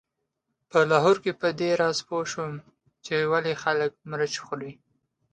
په لاهور کې په دې راز پوی شوم چې ولې خلک مرچ خوري.